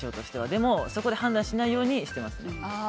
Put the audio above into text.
でもそこで判断しないようにしています。